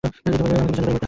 আমাকে বিজয়গড়েই মরিতে দিন।